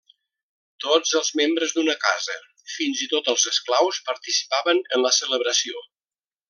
Tots els membres d'una casa, fins i tot els esclaus, participaven en la celebració.